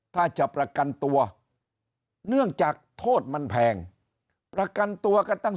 ถ้าจะประกันตัวเนื่องจากโทษมันแพงประกันตัวกันตั้ง